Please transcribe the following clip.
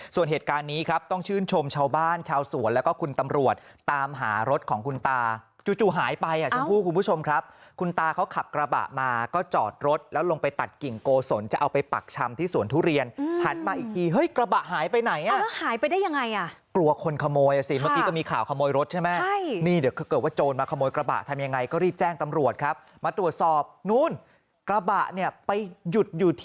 ส่วนเหตุการณ์นี้ครับต้องชื่นชมชาวบ้านชาวสวนแล้วก็คุณตำรวจตามหารถของคุณตาจู่หายไปอ่ะคุณผู้ชมครับคุณตาเขาขับกระบะมาก็จอดรถแล้วลงไปตัดกิ่งโกศลจะเอาไปปักชำที่สวนทุเรียนผ่านมาอีกทีเฮ้ยกระบะหายไปไหนอ่ะหายไปได้ยังไงอ่ะกลัวคนขโมยซิเมื่อกี้ก็มีข่าวขโมยรถใช่ไหมนี่เดี๋ยวเกิด